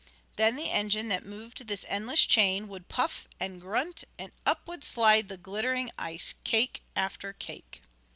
Then the engine that moved this endless chain, would puff and grunt, and up would slide the glittering ice, cake after cake.